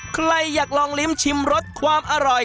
ใครอยากลองลิ้มชิมรสความอร่อย